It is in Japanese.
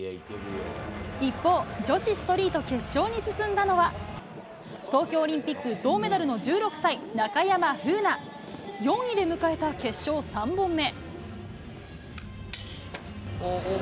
一方、女子ストリート決勝に進んだのは、東京オリンピック銅メダルの１６歳、中山楓奈。４位で迎えた決勝３本目。